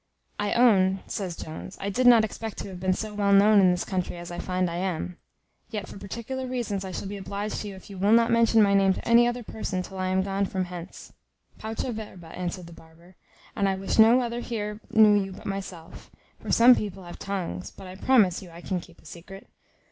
"I own," says Jones, "I did not expect to have been so well known in this country as I find I am; yet, for particular reasons, I shall be obliged to you if you will not mention my name to any other person till I am gone from hence." "Pauca verba," answered the barber;" and I wish no other here knew you but myself; for some people have tongues; but I promise you I can keep a secret.